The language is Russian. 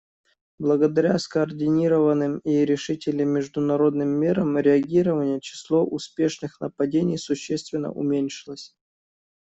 Благодаря скоординированным и решительным международным мерам реагирования число успешных нападений существенно уменьшилось.